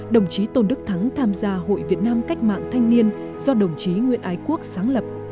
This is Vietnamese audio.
đồng chí tôn đức thắng tham gia hội việt nam cách mạng thanh niên do đồng chí nguyễn ái quốc sáng lập